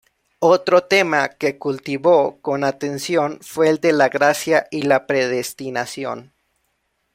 Otro tema que cultivó con atención fue el de la gracia y la predestinación.